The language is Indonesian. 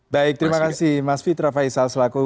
baik terima kasih mas fitra faisal selaku